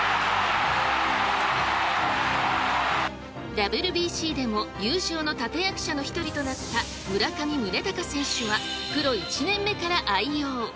ＷＢＣでも優勝の立て役者の一人となった、村上宗隆選手はプロ１年目から愛用。